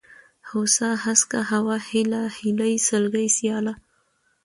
هوسا ، هسکه ، هوا ، هېله ، هيلۍ ، سلگۍ ، سياله